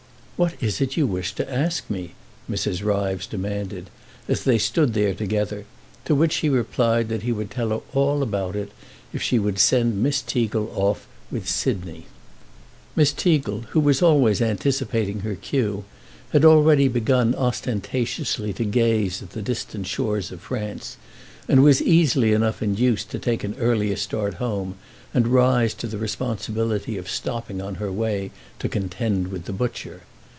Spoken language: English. "What is it you wish to ask me?" Mrs. Ryves demanded, as they stood there together; to which he replied that he would tell her all about it if she would send Miss Teagle off with Sidney. Miss Teagle, who was always anticipating her cue, had already begun ostentatiously to gaze at the distant shores of France and was easily enough induced to take an earlier start home and rise to the responsibility of stopping on her way to contend with the butcher.